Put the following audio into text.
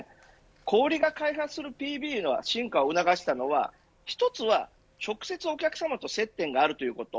小売りが開発するＰＢの進化を促したのは１つは直接お客さまと接点があるということ。